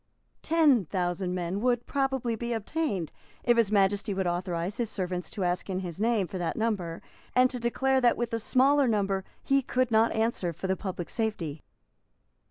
Ten thousand men would probably be obtained if His Majesty would authorise his servants to ask in his name for that number, and to declare that with a smaller number he could not answer for the public safety.